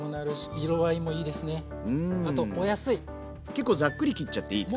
結構ざっくり切っちゃっていい感じ？